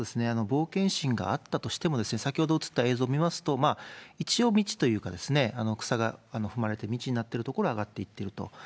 冒険心があったとしても、先ほど映った映像を見ますと、一応、道というか、草が踏まれて道になってる所が上がっていってると。